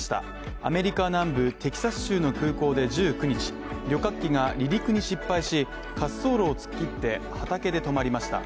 アメリカ南部テキサス州の空港で１９日旅客機が離陸に失敗し、滑走路を突っ切って、畑で止まりました。